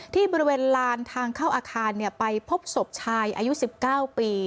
ที่บริเวณลานทางเข้าอาคารเนี่ยไปพบศพชายอายุสิบเก้าปี